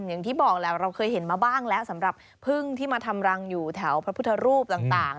อย่างที่บอกแหละเราเคยเห็นมาบ้างแล้วสำหรับพึ่งที่มาทำรังอยู่แถวพระพุทธรูปต่าง